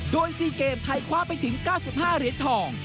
โดย๔เกมไทยคว้าไปถึง๙๕เหรียญทอง